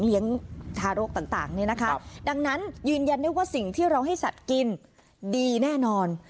ทารกต่างเนี่ยนะคะดังนั้นยืนยันได้ว่าสิ่งที่เราให้สัตว์กินดีแน่นอน